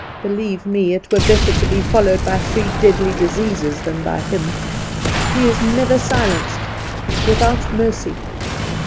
Believe me, it were better to be followed by three deadly diseases than by him. He is never silenced without mercy.